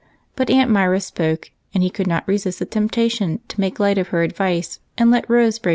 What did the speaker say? But Aunt Myra spoke, and he could not resist the temptation to make light of her advice, and let Rose brave the cold.